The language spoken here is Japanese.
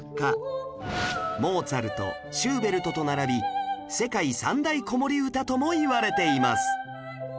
モーツァルトシューベルトと並び世界三大子守歌ともいわれています